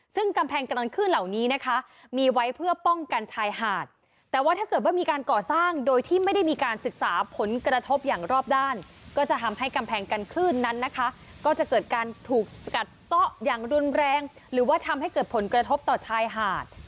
ซึ่งกำแพงกำลังคลื่นเหล่านี้นะคะมีไว้เพื่อป้องกันชายหาดแต่ว่าถ้าเกิดว่ามีการก่อสร้างโดยที่ไม่ได้มีการศึกษาผลกระทบอย่างรอบด้านก็จะทำให้กำแพงกันคลื่นนั้นนะคะก็จะเกิดการถูกสกัดซะอย่างรุนแรงหรือว่าทำให้เกิดผลกระทบต่อชายหาด